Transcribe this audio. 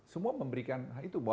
semua memberikan itu baik